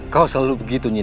kamu sakit kan